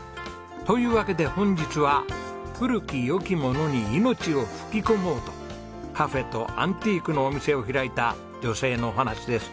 というわけで本日は古き良きものに命を吹き込もうとカフェとアンティークのお店を開いた女性のお話です。